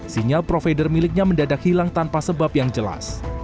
sinyal provider miliknya mendadak hilang tanpa sebab yang jelas